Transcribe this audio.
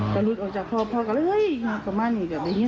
ก็หลุดออกจากพ่อก็เลยเฮ้ยอย่างนี้แบบนี้